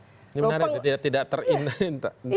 ini menarik tidak terinternalisasikan